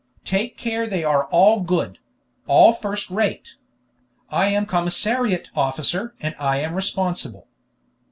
Take care they are all good; all first rate. I am commissariat officer, and I am responsible."